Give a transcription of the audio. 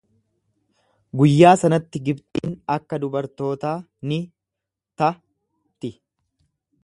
Guyyaa sanatti Gibxiin akka dubartootaa ni ta'ti.